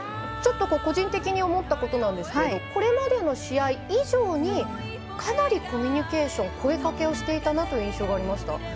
個人的に思ったことなんですがこれまでの試合以上にかなりコミュニケーション声かけをしていたなという印象がありました。